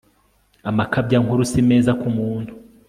amakabyankuru si meza ku muntu